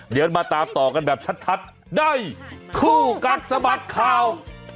เดี๋ยวมาตามต่อกันแบบชัดในคู่กัดสะบัดข่าว